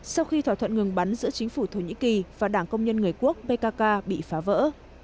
sau khi thỏa thuận ngừng bắn giữa chính phủ thổ nhĩ kỳ và đảng công nhân người quốc pkk bị phá vỡ